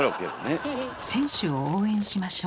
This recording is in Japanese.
選手を応援しましょう。